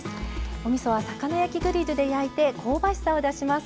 おみそは魚焼きグリルで焼いて香ばしさを出します。